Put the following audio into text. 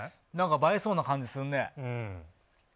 映えそうな感じするね。